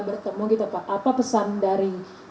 bertemu gitu pak apa pesan dari